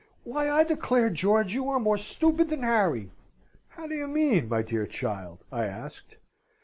"Why, I declare, George, you are more stupid than Harry!" "How do you mean, my dear child?" I asked.